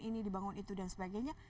ini dibangun itu dan sebagainya